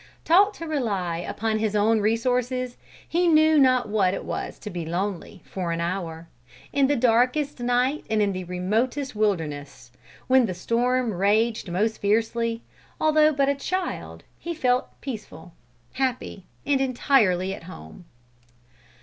Taught to rely upon his own resources, he knew not what it was to be lonely, for an hour. In the darkest night and in the remotest wilderness, when the storm raged most fiercely, although but a child he felt peaceful, happy, and entirely at home.